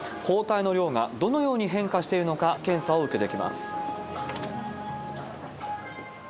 抗体の量がどのように変化しているのか、検査を受けてきます。